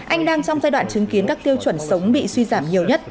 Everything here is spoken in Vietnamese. anh đang trong giai đoạn chứng kiến các tiêu chuẩn sống bị suy giảm nhiều nhất